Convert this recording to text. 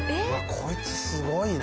こいつすごいな。